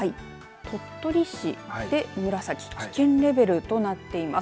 鳥取市で紫危険レベルとなっています。